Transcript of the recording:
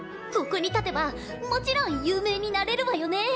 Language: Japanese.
ここに立てばもちろん有名になれるわよね？